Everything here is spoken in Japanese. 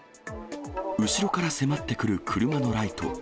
後ろから迫ってくる車のライト。